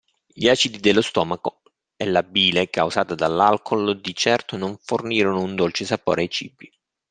Gli acidi dello stomaco e la bile causata dall'alcol di certo non fornirono un dolce sapore ai cibi.